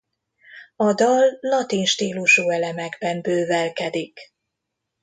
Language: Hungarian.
A dal latin stílusú elemekben bővelkedik.